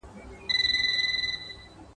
د ماشوم د زېږون لپاره چمتووالی ونيسه